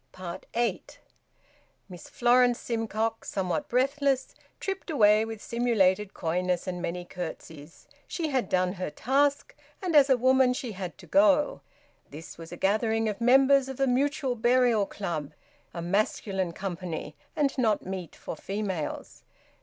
EIGHT. Miss Florence Simcox, somewhat breathless, tripped away, with simulated coyness and many curtseys. She had done her task, and as a woman she had to go: this was a gathering of members of the Mutual Burial Club, a masculine company, and not meet for females.